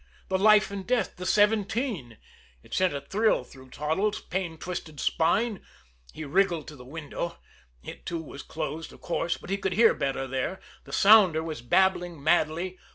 The life and death the seventeen it sent a thrill through Toddles' pain twisted spine. He wriggled to the window. It, too, was closed, of course, but he could hear better there. The sounder was babbling madly.